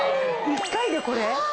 １回でこれ？